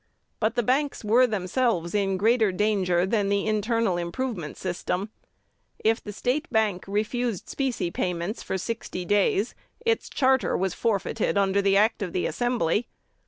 But the banks were themselves in greater danger than the internal improvement system. If the State Bank refused specie payments for sixty days, its charter was forfeited under the Act of Assembly.